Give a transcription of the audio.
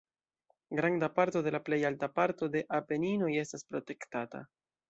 Granda parto de la plej alta parto de Apeninoj estas protektata.